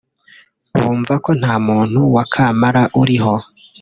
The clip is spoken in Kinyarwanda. bumva ko nta muntu wa kamara uriho